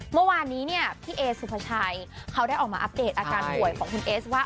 เมื่อวานนี้เนี่ยพี่เอสุภาชัยเขาได้ออกมาอัปเดตอาการป่วยของคุณเอสว่า